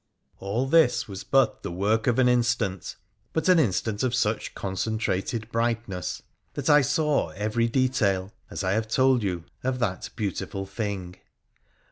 All this was but the work of an instant, but an instant of such concentrated brightness that I saw every detail, as I have told you, of that beautiful thing.